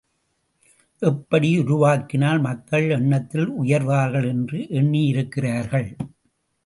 எப்படி உருவாக்கினால் மக்கள் எண்ணத்தில் உயர்வார்கள் என்று எண்ணியிருக்கிறார்கள்.